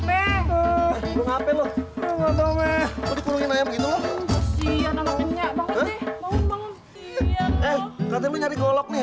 eh katanya lu nyari golok nih